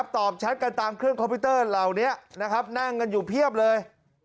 แชทกันตามเครื่องคอมพิวเตอร์เหล่านี้นะครับนั่งกันอยู่เพียบเลย